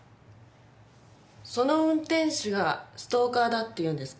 その運転手がストーカーだっていうんですか？